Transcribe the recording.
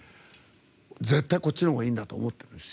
絶対、こっちのほうがいいんだと思ってます。